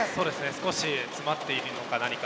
少し詰まっているのか何か。